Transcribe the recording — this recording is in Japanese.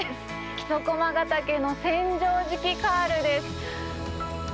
木曽駒ヶ岳の千畳敷カールです。